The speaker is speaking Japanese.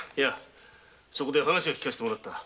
そこで話は聞かせてもらった。